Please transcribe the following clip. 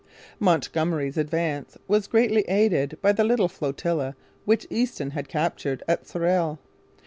Montgomery's advance was greatly aided by the little flotilla which Easton had captured at Sorel.